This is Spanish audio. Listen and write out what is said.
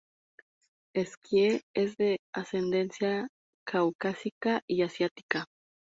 Skye es de ascendencia caucásica y asiática.